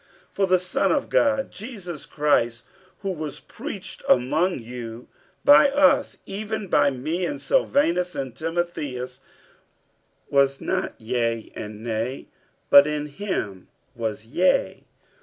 47:001:019 For the Son of God, Jesus Christ, who was preached among you by us, even by me and Silvanus and Timotheus, was not yea and nay, but in him was yea.